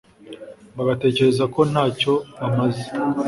bagatekereza ko nta cyo bamaze